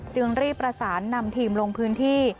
จึงรีบประสานนำทีมลงพื้นที่